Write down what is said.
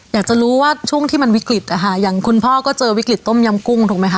อยากจะรู้ว่าช่วงที่มันวิกฤตนะคะอย่างคุณพ่อก็เจอวิกฤตต้มยำกุ้งถูกไหมค